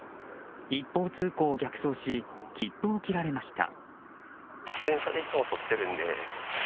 一方通行を逆走し切符を切られました。